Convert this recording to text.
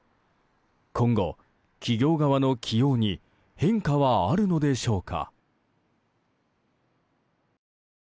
今後、企業側の起用に変化はあるのでしょうか。